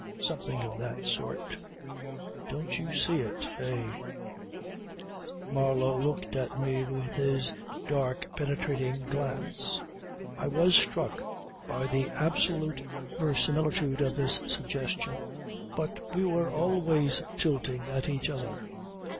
Something of that sort. Don't you see it eh ..." Marlow looked at me with his dark penetrating glance. I was struck by the absolute verisimilitude of this suggestion. But we were always tilting at each other.